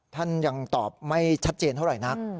ท่านยังตอบไม่ชัดเจนเท่าไหร่นัก